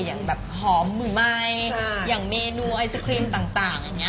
อย่างแบบหอมมือไม้อย่างเมนูไอศกรีมต่าง